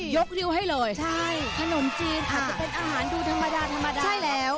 ยกริ้วให้เลยขนมจีนอาจจะเป็นอาหารดูธรรมดานะครับใช่แล้ว